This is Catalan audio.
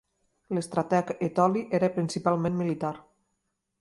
L'estrateg etoli era principalment militar.